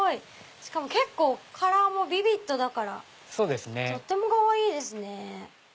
しかも結構カラーもビビッドだからとってもかわいいですね！